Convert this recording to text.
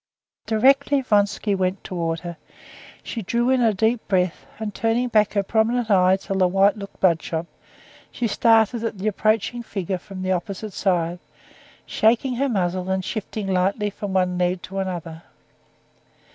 Directly Vronsky went towards her, she drew in a deep breath, and, turning back her prominent eye till the white looked bloodshot, she started at the approaching figures from the opposite side, shaking her muzzle, and shifting lightly from one leg to the other.